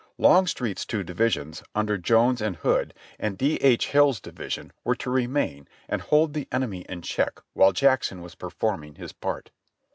Longstreet's two divisions under Jones and Hood, and D. H. Hill's division were to remain and hold the enemy in check while Jackson was performing his part.